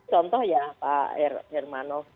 contoh ya pak hermano